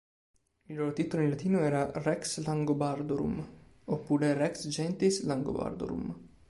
Il loro titolo in latino era "Rex Langobardorum" oppure "Rex gentis Langobardorum".